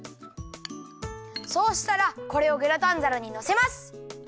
そうしたらこれをグラタンざらにのせます。